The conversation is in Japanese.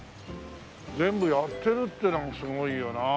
全部やってるっていうのがすごいよなあ。